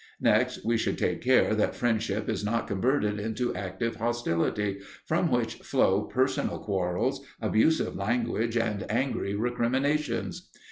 Next, we should take care that friendship is not converted into active hostility, from which flow personal quarrels, abusive language, and angry recriminations.